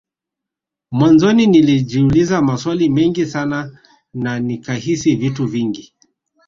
Mwanzoni nilijiuliza maswali mengi sana na nikahisi vitu vingi